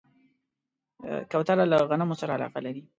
کوتره له غنمو سره علاقه لري.